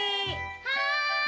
はい。